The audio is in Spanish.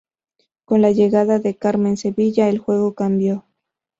Con la llegada de Carmen Sevilla, el juego cambió.